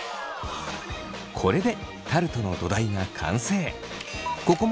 これでタルトの土台が完成。